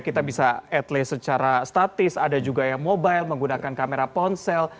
kita bisa at least secara statis ada juga yang mobile menggunakan kamera ponsel